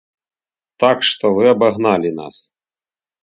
Так што вы абагналі нас.